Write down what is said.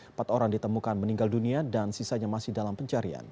empat orang ditemukan meninggal dunia dan sisanya masih dalam pencarian